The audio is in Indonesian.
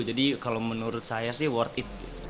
jadi kalau menurut saya sih worth it